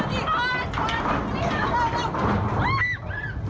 วันที่ตุดลองกับผู้บันไดของพวกเรือรหัฐจะลงจุดอย่างเรือ